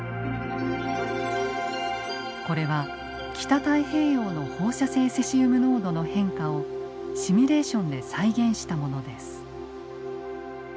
これは北太平洋の放射性セシウム濃度の変化をシミュレーションで再現したものです。